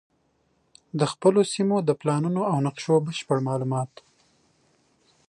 د خپلو سیمو د پلانونو او نقشو بشپړ معلومات